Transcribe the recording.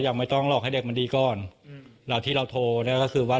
ยังไม่ต้องหลอกให้เด็กมันดีก่อนอืมแล้วที่เราโทรเนี่ยก็คือว่า